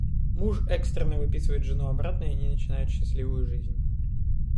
Муж экстренно выписывает жену обратно и они начинают счастливую жизнь.